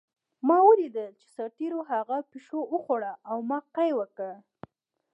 ما ولیدل چې سرتېرو هغه پیشو وخوړه او ما قی وکړ